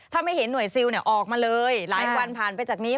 ถ้าไม่เห็นหน่วยซิลออกมาเลยหลายวันผ่านไปจากนี้